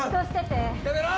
やめろ！